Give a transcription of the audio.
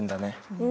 うん。